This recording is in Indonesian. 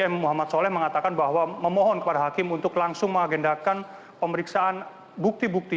m muhammad soleh mengatakan bahwa memohon kepada hakim untuk langsung mengagendakan pemeriksaan bukti bukti